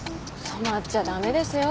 染まっちゃ駄目ですよ